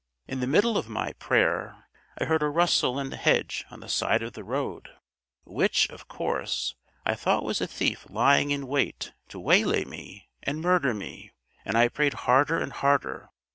"In the middle of my prayer I heard a rustle in the hedge on the side of the road, which, of course, I thought was a thief lying in wait to waylay me and murder me, and I prayed harder and harder.